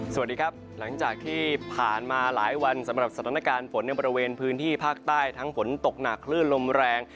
สวัสดีครับหลังจากที่ผ่านมาหลายวันสำหรับสถานการณ์ฝนในบริเวณพื้นที่ภาคใต้ทั้งฝนตกหนักคลื่นลมแรง